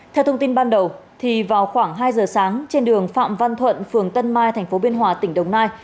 theo thông tin ban đầu vào khoảng hai giờ sáng trên đường phạm văn thuận phường tân mai tp biên hòa tỉnh đồng nai